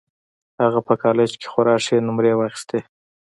هغه په کالج کې خورا ښې نومرې واخيستې